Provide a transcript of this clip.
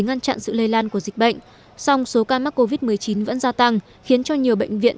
ngăn chặn sự lây lan của dịch bệnh song số ca mắc covid một mươi chín vẫn gia tăng khiến cho nhiều bệnh viện